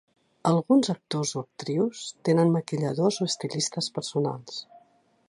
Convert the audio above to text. Alguns actors o actrius tenen maquilladors o estilistes personals.